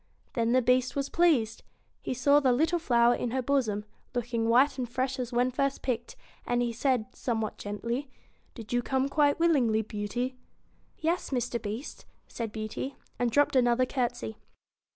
Then the Beast was pleased. He saw the little flower in her bosom, looking white and fresh as when first picked ; and he said, somewhat gently ' Did you come quite willingly, Beauty ?' 'Yes, Mr. Beast,' said Beauty, and dropped another courtesy.